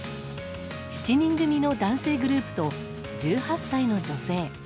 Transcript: ７人組の男性グループと１８歳の女性。